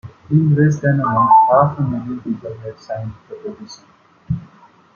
In less than a month, half a million people had signed the petition.